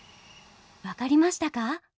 分かりましたか？